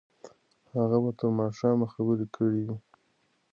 هغه به تر ماښامه خبرې کړې وي.